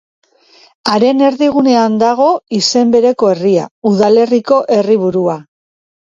Haren erdigunean dago izen bereko herria, udalerriko herriburua.